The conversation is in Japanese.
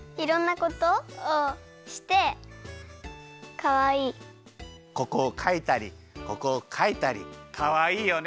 ここをかいたりここをかいたりかわいいよね。